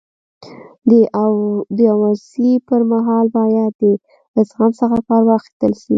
د غوصي پر مهال باید د زغم څخه کار واخستل سي.